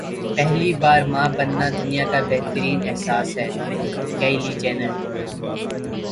پہلی بار ماں بننا دنیا کا بہترین احساس ہے کایلی جینر